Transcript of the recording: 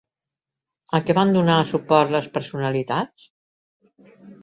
A què van donar suport les personalitats?